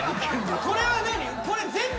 これは何？